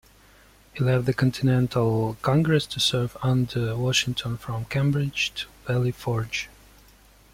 He left the Continental Congress to serve under Washington from Cambridge to Valley Forge.